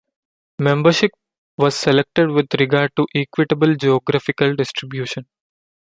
Membership was selected with regard to equitable geographical distribution.